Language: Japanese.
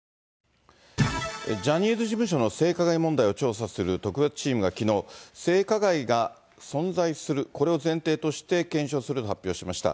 ジャニーズ事務所の性加害問題を調査する特別チームがきのう、性加害が存在するときのう、これを前提として、検証すると発表しました。